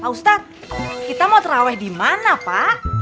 pak ustadz kita mau terawih dimana pak